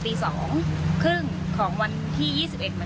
ตีสองครึ่งของวันที่ยี่สิบเอ็ดเหมือนกันเดี๋ยวคอยดูนะสักประมาณเช้าอ่ะ